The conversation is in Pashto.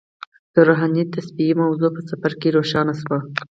د روحاني تصفیې موضوع په سفر کې روښانه شوه.